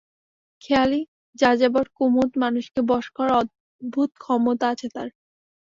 খেয়ালি যাযাবর কুমুদ, মানুষকে বশ করার অদ্ভুত ক্ষমতা আছে তার।